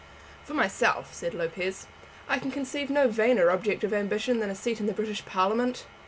"For myself," said Lopez, "I can conceive no vainer object of ambition than a seat in the British Parliament.